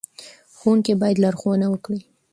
ښوونکي باید لارښوونه وکړي.